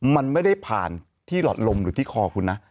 มันไม่ได้ผ่านที่หลอดลมหรือที่คอคุณนะ